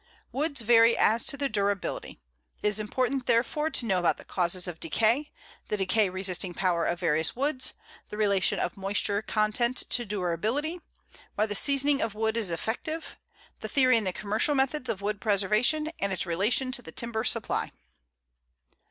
Woods vary as to their durability. It is important, therefore, to know about the causes of decay, the decay resisting power of various woods, the relation of moisture content to durability, why the seasoning of wood is effective, the theory and the commercial methods of wood preservation, and its relation to the timber supply.